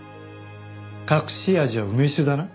隠し味は梅酒だな？